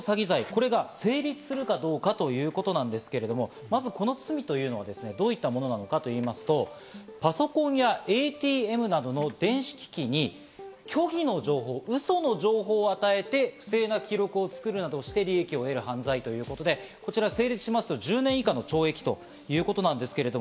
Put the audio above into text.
これが成立するかどうかということなんですけれども、まずこの罪というのがどういうものなのかと言いますと、パソコンやＡＴＭなどの電子機器に虚偽の情報、ウソの情報を与えて不正な記録を作るなどして利益を得る犯罪ということで、こちらが成立しますと１０年以下の懲役ということなんですけど。